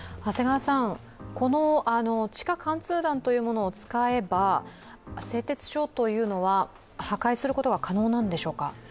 この地下貫通弾というものを使えば製鉄所というのは、破壊することが可能なんでしょうか？